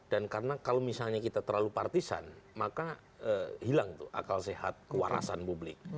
dan karena kalau misalnya kita terlalu partisan maka hilang tuh akal sehat kewarasan publik